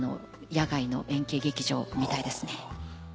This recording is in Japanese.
野外の円形劇場みたいですね。